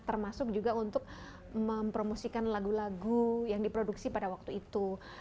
termasuk juga untuk mempromosikan lagu lagu yang diproduksi pada waktu itu